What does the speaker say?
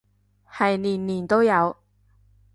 係年年都有